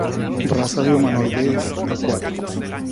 Raza de humanoides acuáticos.